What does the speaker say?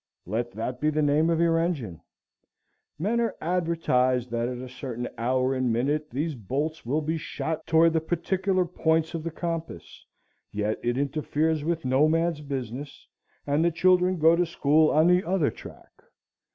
(Let that be the name of your engine.) Men are advertised that at a certain hour and minute these bolts will be shot toward particular points of the compass; yet it interferes with no man's business, and the children go to school on the other track.